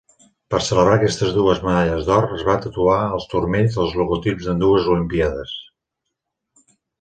Per celebrar aquestes dues medalles d'or es va tatuar als turmells els logotips d'ambdues Olimpíades.